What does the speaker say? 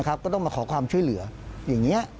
ก็ต้องมาขอความช่วยเหลืออย่างนี้